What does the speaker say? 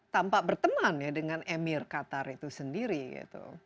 tampak berteman ya dengan emir qatar itu sendiri gitu